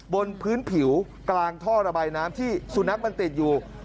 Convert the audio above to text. บนพื้นผิวกลางท่อระบายน้ำที่สุนัขมันติดอยู่